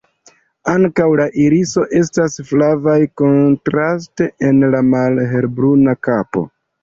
Ankaŭ la irisoj estas flavaj, kontraste en la malhelbruna kapo.